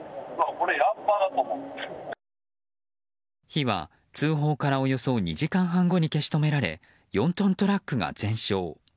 火は通報からおよそ２時間半後に消し止められ４トントラックが全焼。